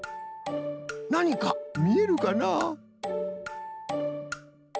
なにかみえるかな？